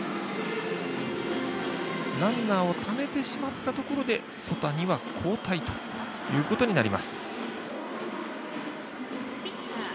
ランナーをためてしまったところで曽谷は交代というところになります。